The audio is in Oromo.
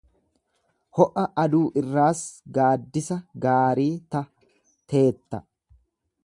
Ho'a aduu irraas gaaddisa gaarii ta'teetta.